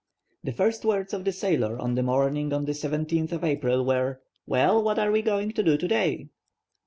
The first words of the sailor, on the morning of the 17th of April, were:— "Well, what are we going to do to day?"